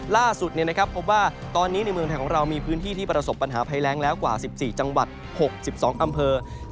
ล่าสุดพบว่าตอนนี้ในเมืองไทยของเรามีพื้นที่ที่ประสบปัญหาภัยแรงแล้วกว่า๑๔จังหวัด๖๒อำเภอ